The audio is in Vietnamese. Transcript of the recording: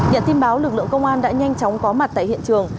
nhận tin báo lực lượng công an đã nhanh chóng có mặt tại hiện trường